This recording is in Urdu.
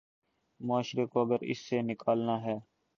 معاشرے کو اگر اس سے نکالنا ہے۔